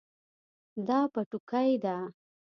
دا پټوکۍ ده